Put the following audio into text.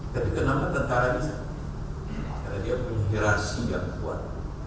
tapi kenapa tentara bisa karena dia punya hirasi yang kuat